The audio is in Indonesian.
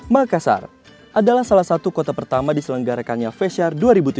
makassar adalah salah satu kota pertama diselenggarakannya fesha dua ribu tujuh belas